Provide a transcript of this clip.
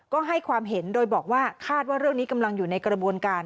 ก็ให้ความเห็นโดยบอกว่าคาดว่าเรื่องนี้กำลังอยู่ในกระบวนการ